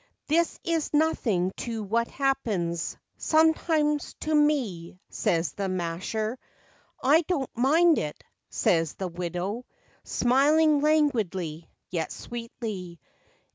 "This is nothing to what happens Sometimes, to me," says the masher. " I do n't mind it," says the widow, Smiling languidly, yet sweetly.